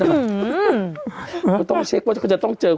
สวัสดีครับคุณผู้ชม